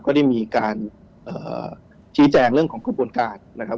ได้มีการชี้แจงเรื่องของกระบวนการนะครับ